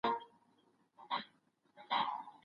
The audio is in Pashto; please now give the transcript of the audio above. د آدب لمرجهاني دی